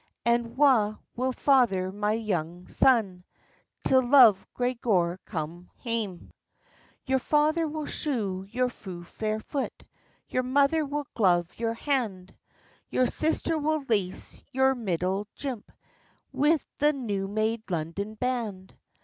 And wha will father my young son, Till Love Gregor come hame?" "Your father will shoe your fu' fair foot, Your mother will glove your hand; Your sister will lace your middle jimp Wi' the new made London band.